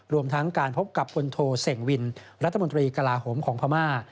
รวมทั้งการพบกับพลโทเสิ่งวินรัฐมนตรีกลาโหมของพม่า